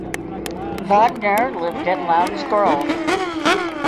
Wagener lived at Lowndes Grove.